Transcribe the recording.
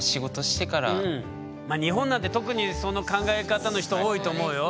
まあ日本なんて特にその考え方の人多いと思うよ。